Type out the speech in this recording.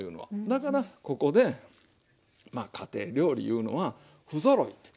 だからここで家庭料理いうのは不ぞろいと。